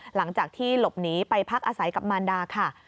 หลังจากที่หลบหนีไปพักอาศัยกับมารดาค่ะ